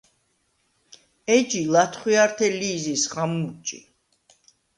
ეჯი ლათხვიართე ლი̄ზის ხამურჯი.